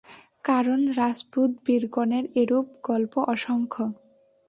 কারণ, রাজপুত-বীরগণের এরূপ গল্প অসংখ্য।